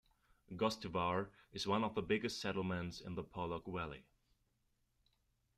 Gostivar is one of the biggest settlements in the Polog valley.